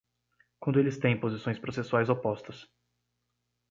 Quando eles têm posições processuais opostas.